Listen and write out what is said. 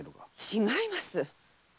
違います！